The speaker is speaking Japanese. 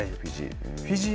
フィジー。